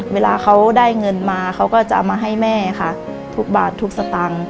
เวลาเขาได้เงินมาเขาก็จะเอามาให้แม่ค่ะทุกบาททุกสตางค์